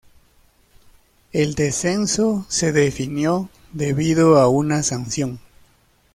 El descenso se definió debido a una sanción.